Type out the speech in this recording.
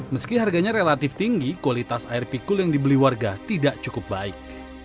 meski harganya relatif tinggi kualitas air pikul yang dibeli warga tidak cukup baik